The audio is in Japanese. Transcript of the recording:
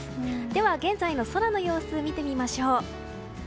では、現在の空の様子を見てみましょう。